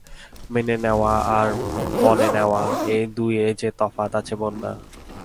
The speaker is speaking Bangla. মেনে নেওয়া আর মনে নেওয়া, এই দুইয়ে যে তফাত আছে বন্যা।